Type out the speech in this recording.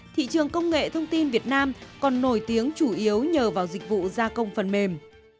thị trường công nghệ thông tin việt nam còn nổi tiếng chủ yếu nhờ vào dịch vụ gia công phần mềm